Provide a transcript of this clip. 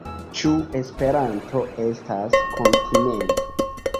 Ĉu Esperanto estas kontinento?